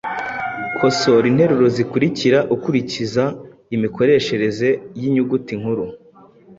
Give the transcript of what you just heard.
Kosora interuro zikurikira ukurikiza imikoreshereze y’inyuguti nkuru: